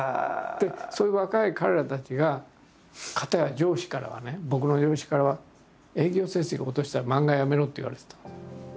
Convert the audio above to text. でそういう若い彼らたちがかたや上司からはね僕の上司からは「営業成績落としたら漫画やめろ」って言われてた。